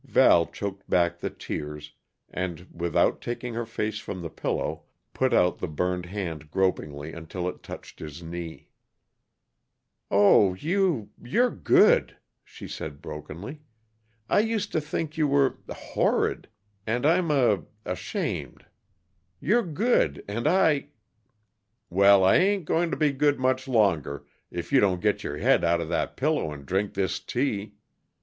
Val choked back the tears, and, without taking her face from the pillow, put out the burned hand gropingly until it touched his knee. "Oh, you you're good," she said brokenly. "I used to think you were horrid, and I'm a ashamed. You're good, and I " "Well, I ain't going to be good much longer, if you don't get your head outa that pillow and drink this tea!"